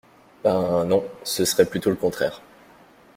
Ben non, ce serait plutôt le contraire.